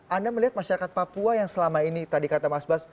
anda melihat masyarakat papua yang selama ini tadi kata mas bas